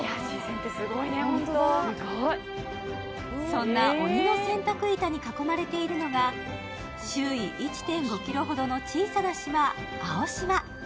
そんな鬼の洗濯板に囲まれているのが、周囲１．５ｋｍほどの小さな島、青島。